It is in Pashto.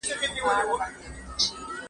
غلام په خپلې وعدې باندې تر پایه ولاړ و.